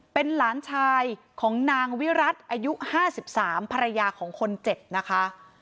เป็นหลานชายของนางวิรัติอายุ๕๓ภรรยาของคนเจ็บนะคะ